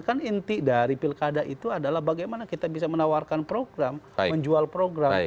kan inti dari pilkada itu adalah bagaimana kita bisa menawarkan program menjual program